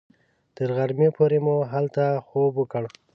تر غرمې پورې مو هلته خوب وکړ.